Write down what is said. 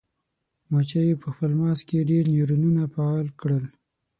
مچیو په خپل مغز کې ډیر نیورونونه فعال کړل.